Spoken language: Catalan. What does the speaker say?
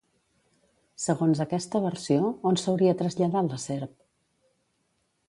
Segons aquesta versió, on s'hauria traslladat la serp?